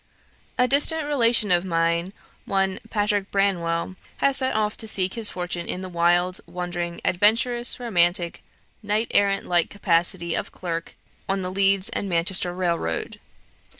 "A distant relation of mine, one Patrick Branwell, has set off to seek his fortune in the wild, wandering, adventurous, romantic, knight errant like capacity of clerk on the Leeds and Manchester Railroad.